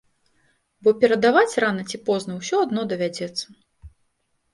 Бо перадаваць рана ці позна ўсё адно давядзецца.